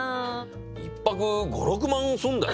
１泊５６万すんだよ。